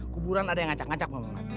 kuburan ada yang ngajak ngajak